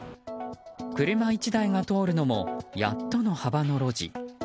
車１台が通るのもやっとの幅の路地。